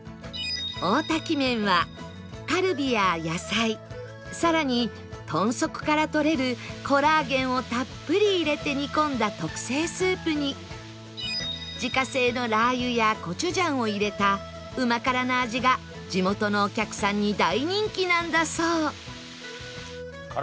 大多喜メンはカルビや野菜更に豚足からとれるコラーゲンをたっぷり入れて煮込んだ特製スープに自家製のラー油やコチュジャンを入れたうま辛な味が地元のお客さんに大人気なんだそう